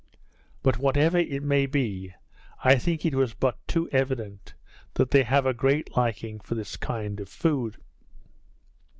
But, whatever it may be, I think it was but too evident, that they have a great liking for this kind of food.